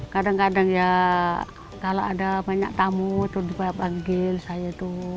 kadang kadang ya kalau ada banyak tamu terus panggil saya itu